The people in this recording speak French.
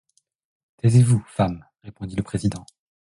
Taisez-vous, femme, répondit le président.